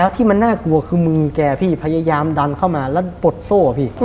ที่มันน่ากลัวคือมือแกพี่พยายามดันเข้ามาแล้วปลดโซ่พี่